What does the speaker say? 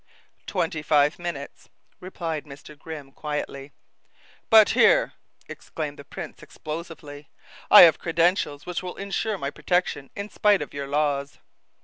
"Twenty five minutes," replied Mr. Grimm quietly. "But here," exclaimed the prince explosively, "I have credentials which will insure my protection in spite of your laws."